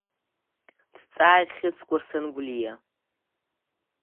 Дҵааит Хьыҵкәыр Сангәлиа.